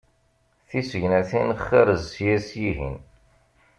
Tisegnatin xarez sya s yihin.